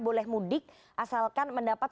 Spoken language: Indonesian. boleh mudik asalkan mendapat